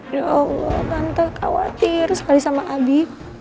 ya allah manta khawatir sekali sama abi